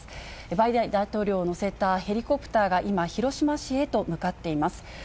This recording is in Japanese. バイデン大統領を乗せたヘリコプターが今、広島市へと向かっています。